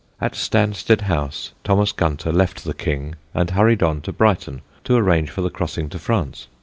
At Stanstead House Thomas Gunter left the King, and hurried on to Brighton to arrange for the crossing to France.